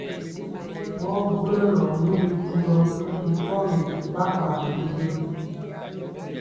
Ɓɔɔ bulɔlɔ nu bitundɔ ri pɔgi mpankwa yili.